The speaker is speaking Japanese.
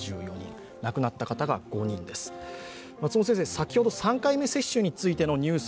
先ほど３回目接種についてのニュース